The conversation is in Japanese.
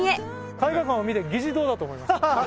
絵画館を見て議事堂だと思いました。